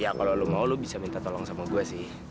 ya kalau lo mau lu bisa minta tolong sama gue sih